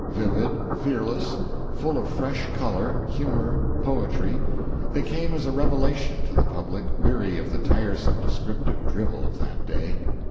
Vivid, fearless, full of fresh color, humor, poetry, they came as a revelation to a public weary of the tiresome descriptive drivel of that day.